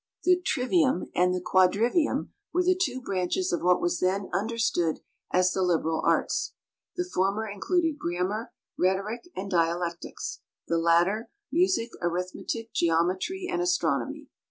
The trivium and the quadrivium were the two branches of what was then understood as the liberal arts. The former included grammar, rhetoric, and dialectics; the latter, music, arithmetic, geometry, and astronomy.